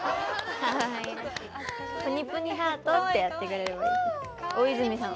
ぷにぷにハートってやってくれれば大泉さん。